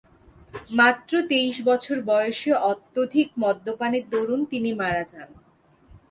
মাত্র তেইশ বছর বয়সে অত্যধিক মদ্যপানের দরুন তিনি মারা যান।